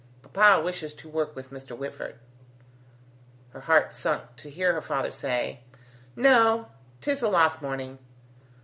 "Papa wishes to work with Mr. Whitford." Her heart sunk to hear her father say: "No, 'tis a lost morning.